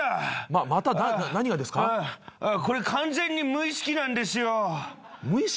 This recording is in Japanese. あこれ完全に無意識なんですよ。無意識！？